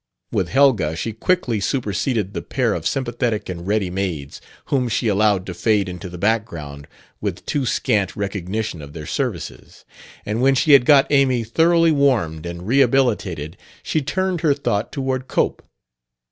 With Helga she quickly superseded the pair of sympathetic and ready maids, whom she allowed to fade into the background with too scant recognition of their services; and when she had got Amy thoroughly warmed and rehabilitated she turned her thought toward Cope.